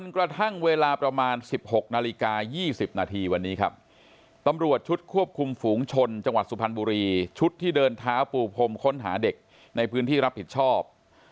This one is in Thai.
การควบคุมฝูงชนจังหวัดสุพรรณบุรีชุดที่เดินท้าปูพรมค้นหาเด็กในพื้นที่รับผิดชอบ